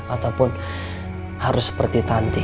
ataupun harus seperti tanti